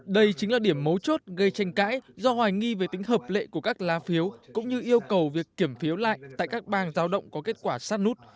đây chính là điểm mấu chốt gây tranh cãi do hoài nghi về tính hợp lệ của các lá phiếu cũng như yêu cầu việc kiểm phiếu lại tại các bang giao động có kết quả sát nút